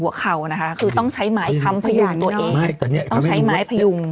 เข่านะคะคือต้องใช้ไม้ค้ำพยุงตัวเองไม่แต่เนี้ยต้องใช้ไม้พยุง